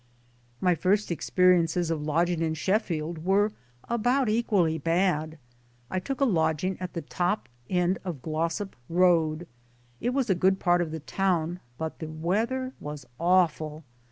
My first experiences of lodging in Sheffield were about equally bad. I took a lodging at the top end of Glossop Road. It was a good part of the town ; but the weather was awful.